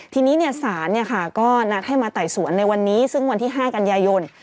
ทีนี้เนี่ยศาลเนี่ยค่ะก็นัดให้มาไต่สวนในวันนี้ซึ่งวันที่ห้ากันยายน